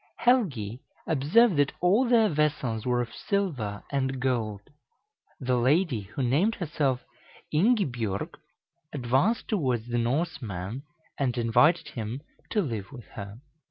Helgi observed that all their vessels were of silver and gold. The lady, who named herself Ingibjorg, advanced towards the Norseman, and invited him to live with her.